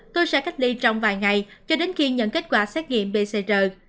tôi sẽ cách ly trong vài ngày cho đến khi nhận kết quả xét nghiệm pcr